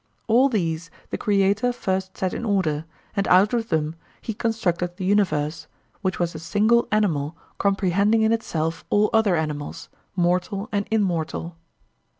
All these the creator first set in order, and out of them he constructed the universe, which was a single animal comprehending in itself all other animals, mortal and immortal.